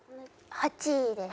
８位です。